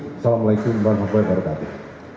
assalamu'alaikum warahmatullahi wabarakatuh